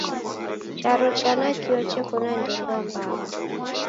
Charo cha nakio cheko na ndengwa mbaha